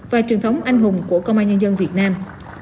và truyền thống anh hùng của công an nhân dân việt nam